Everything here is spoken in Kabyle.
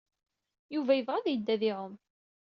Yuba yebɣa ad yeddu ad iɛum.